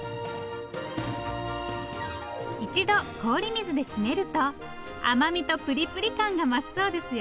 一度氷水で締めると甘みとプリプリ感が増すそうですよ。